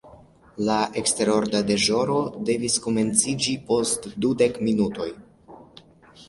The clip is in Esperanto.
La eksterorda deĵoro devis komenciĝi post dudek minutoj.